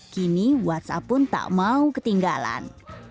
kini whatsapp pun tak mau ketinggalan